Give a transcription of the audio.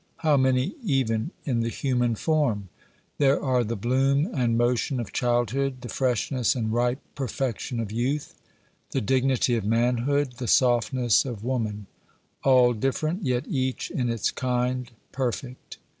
How many even in the human form! There are the bloom and motion of childhood, the freshness and ripe perfection of youth, the dignity of manhood, the softness of woman all different, yet each in its kind perfect.